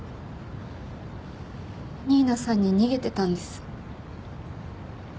新名さんに逃げてたんです。